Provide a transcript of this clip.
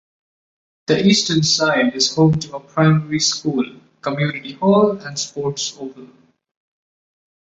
The eastern side is home to a primary school, community hall and sports oval.